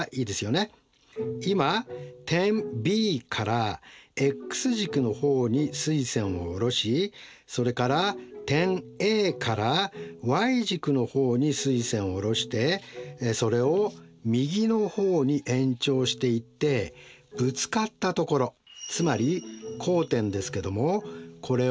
今点Ｂからｘ軸の方に垂線を下ろしそれから点Ａからｙ軸の方に垂線を下ろしてそれを右の方に延長していってぶつかったところつまり交点ですけどもこれを点Ｃとします。